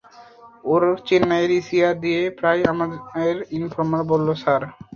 ওর চেন্নাইয়ে ইসিআর দিয়ে প্রায় আমাদের ইনফর্মার বলল, স্যার।